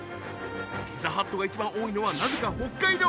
ピザハットが一番多いのはなぜか北海道